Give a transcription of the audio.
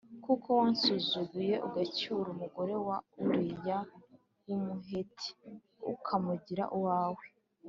kuko wansuzuguye ugacyura umugore wa Uriya w’Umuheti, ukamugira uwawe.